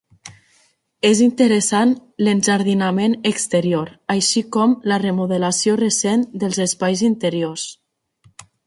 És interessant l'enjardinament exterior, així com la remodelació recent dels espais interiors.